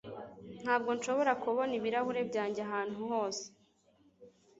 Ntabwo nshobora kubona ibirahuri byanjye ahantu hose